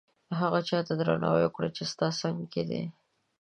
هغه چاته درناوی وکړه چې ستا څنګ کې دي.